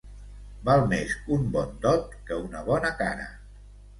Val més un bon dot que una bona cara.